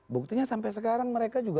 buktinya sampai sekarang mereka juga